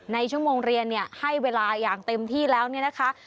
ในชั่วโมงเรียนเนี่ยให้เวลาอย่างเต็มที่แล้วเนี่ยนะคะ